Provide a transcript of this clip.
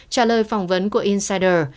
trả lời phỏng vấn của insider